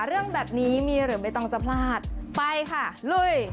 เรื่องแบบนี้มีหรือใบตองจะพลาดไปค่ะลุย